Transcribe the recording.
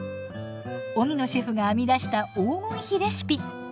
荻野シェフが編み出した黄金比レシピ。